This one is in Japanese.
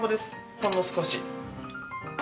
ほんの少し。